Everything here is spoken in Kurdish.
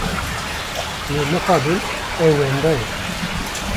Lê mixabin ew wenda ye.